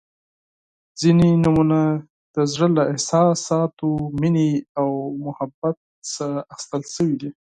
• ځینې نومونه د زړۀ له احساساتو، مینې او محبت نه اخیستل شوي دي.